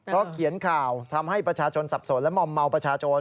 เพราะเขียนข่าวทำให้ประชาชนสับสนและมอมเมาประชาชน